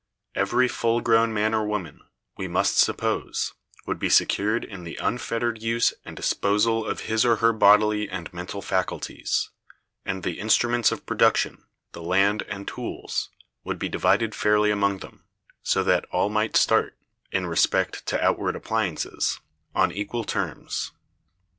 Every full grown man or woman, we must suppose, would be secured in the unfettered use and disposal of his or her bodily and mental faculties; and the instruments of production, the land and tools, would be divided fairly among them, so that all might start, in respect to outward appliances, on equal terms.